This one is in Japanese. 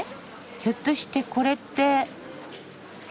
ひょっとしてこれって。